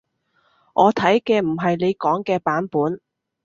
我睇嘅唔係你講嘅版本